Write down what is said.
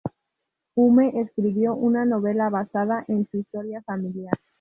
Hume escribió una novela basada en su historia familiar.